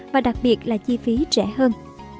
và đặc biệt là chi phí rẻ hơn